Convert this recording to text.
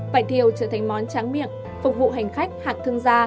vải thiều trở thành món tráng miệng phục vụ hành khách hạng thương gia